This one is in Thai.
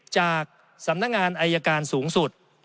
จากสำนักงานอายการสูงสุด